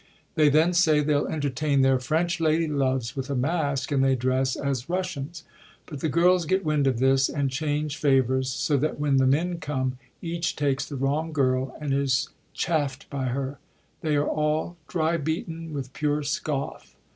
They then say they '11 entertain their French lady loves with a masque, and they dress as Russians. But the girls get wind of this, and change favours, so that when the men come, each takes the wrong girl, and is chaf t by her ; they are all dry beaten with pure scoff.